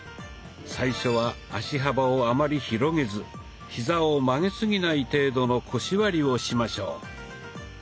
最初は足幅をあまり広げずヒザを曲げすぎない程度の腰割りをしましょう。